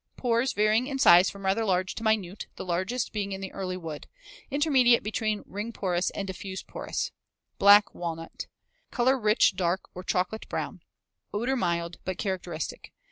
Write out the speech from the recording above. Pores varying in size from rather large to minute, the largest being in the early wood. Intermediate between ring porous and diffuse porous. Black Walnut. Color rich dark or chocolate brown. Odor mild but characteristic.